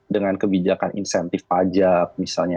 dengan kebijakan insentif pajak misalnya